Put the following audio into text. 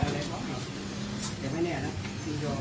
กล้องไม่ได้ครับ